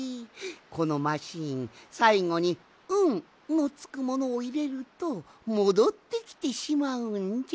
このマシーンさいごに「ん」のつくものをいれるともどってきてしまうんじゃ。